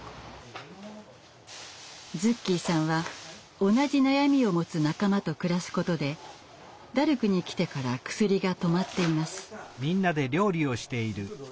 ズッキーさんは同じ悩みを持つ仲間と暮らすことでダルクに来てからクスリが止まっています。